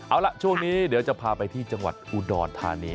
เอาล่ะช่วงนี้เดี๋ยวจะพาไปที่จังหวัดอุดรธานี